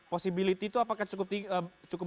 posibiliti itu apakah cukup